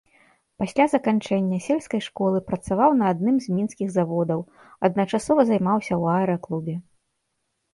Пасля заканчэння сельскай школы працаваў на адным з мінскіх заводаў, адначасова займаўся ў аэраклубе.